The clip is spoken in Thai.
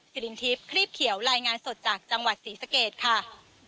สิรินทิพย์ครีบเขียวรายงานสดจากจังหวัดศรีสะเกดค่ะ